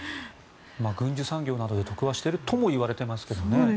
軍需産業などで得はしているとは言われていますけどね。